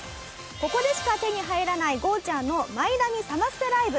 ここでしか手に入らないゴーちゃん。の「マイナビサマステライブ」